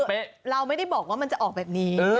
เราไม่ได้บอกว่ามันจะออกแบบนี้